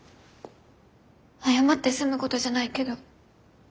謝って済むことじゃないけど。